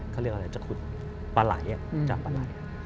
เขาเรียกอะไรจับปลาย